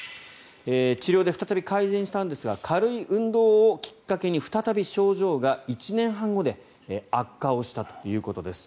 治療で再び改善したんですが軽い運動をきっかけに再び症状が、１年半後で悪化したということです。